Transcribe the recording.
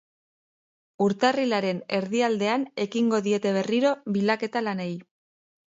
Urtarrilaren erdialdean ekingo diete berriro bilaketa lanei.